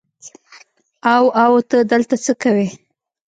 او او ته دلته څه کوې.